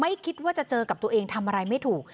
คิดว่าจะเจอกับตัวเองทำอะไรไม่ถูก